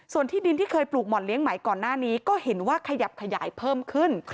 ส่วนที่ดินที่เคยปลูกห่อนเลี้ยงใหม่ก่อนหน้านี้ก็เห็นว่าขยับขยายเพิ่มขึ้น